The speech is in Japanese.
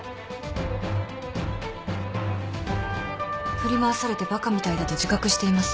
振り回されてバカみたいだと自覚しています。